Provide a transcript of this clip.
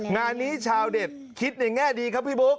งานนี้ชาวเน็ตคิดในแง่ดีครับพี่บุ๊ค